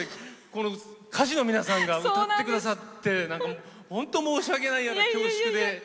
この歌手の皆さんが歌ってくださって本当申し訳ないような恐縮で。